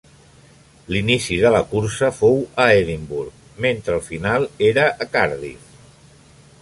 L'inici de la cursa fou a Edimburg, mentre el final era a Cardiff.